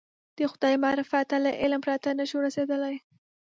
د خدای معرفت ته له علم پرته نه شو رسېدلی.